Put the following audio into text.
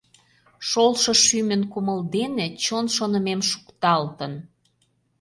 Шолшо шӱмын кумыл дене Чон шонымем шукталтын.